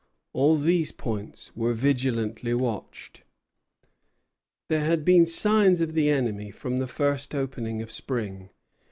All these points were vigilantly watched. There had been signs of the enemy from the first opening of spring.